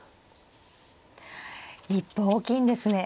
一歩大きいんですね。